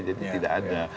jadi tidak ada